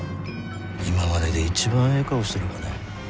今まで一番ええ顔しとるがね。